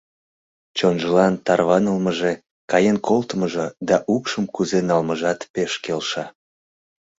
Чонжылан тарванылмыже, каен колтымыжо да укшым кузе налмыжат пеш келша.